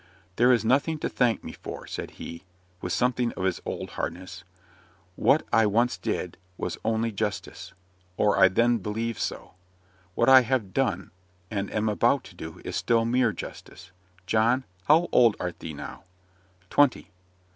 "There is nothing to thank me for," said he, with something of his old hardness. "What I once did, was only justice or I then believed so. What I have done, and am about to do, is still mere justice. John, how old art thee now?" "Twenty."